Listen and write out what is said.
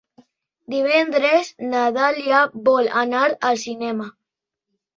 Divendres na Dàlia vol anar al cinema.